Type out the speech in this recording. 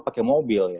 pakai mobil ya